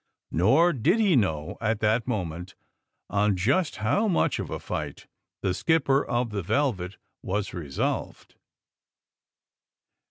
Nor did he know, at that moment, on just how much of a fight the skipper of the Velvet" was resolved.